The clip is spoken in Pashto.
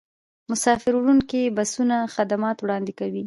مسافروړونکي بسونه خدمات وړاندې کوي